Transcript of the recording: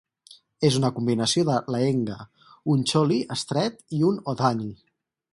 És una combinació de "lehenga", un "choli" estret i un "odhani".